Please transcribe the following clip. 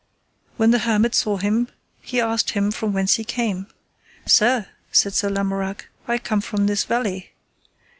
When the hermit saw him, he asked him from whence he came. Sir, said Sir Lamorak, I come from this valley.